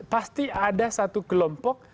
pasti ada satu kelompok